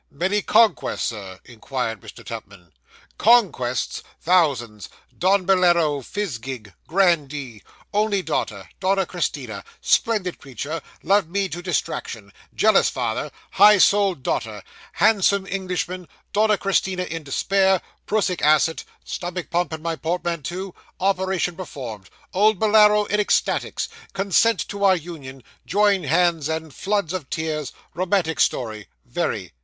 'Many conquests, sir?' inquired Mr. Tupman. 'Conquests! Thousands. Don Bolaro Fizzgig grandee only daughter Donna Christina splendid creature loved me to distraction jealous father high souled daughter handsome Englishman Donna Christina in despair prussic acid stomach pump in my portmanteau operation performed old Bolaro in ecstasies consent to our union join hands and floods of tears romantic story very.